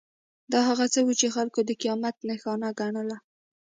دا هغه څه وو چې خلکو د قیامت نښانه ګڼله.